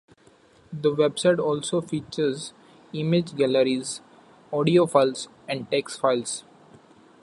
The website also features image galleries, audio files, and text files.